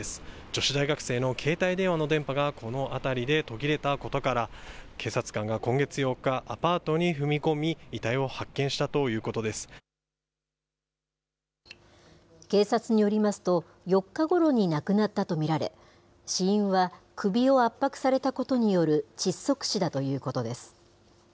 女子大学生の携帯電話の電波がこの辺りで途切れたことから、警察官が今月８日、アパートに踏み込み、遺体を発見したというこ警察によりますと、４日ごろに亡くなったと見られ、死因は首を圧迫されたことによる窒息死だということです。